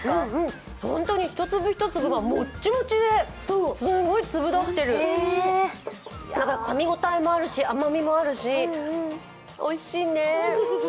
ホントに１粒１粒がもっちもちですごい粒立ってる、かみ応えもあるし、甘みもあるし、おいしいね。